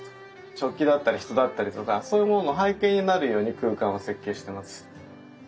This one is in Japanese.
食器だったり人だったりとかそういうものの背景になるように空間を設計してます。